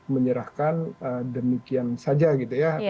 menyerahkan demikian saja gitu ya